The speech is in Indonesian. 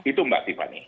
itu mbak tiffany